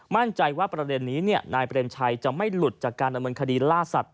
มั่นใจว่าประเด็นนี้นายเปรมชัยจะไม่หลุดจากการดำเนินคดีล่าสัตว